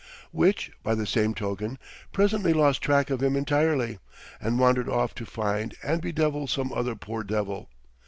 Which, by the same token, presently lost track of him entirely, and wandered off to find and bedevil some other poor devil.